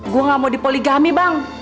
gue gak mau dipoligami bang